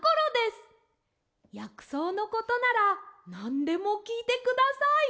やくそうのことならなんでもきいてください。